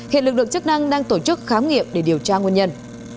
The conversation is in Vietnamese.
hiện lực lượng chức năng đang tổ chức khám nghiệm để điều tra nguồn nhân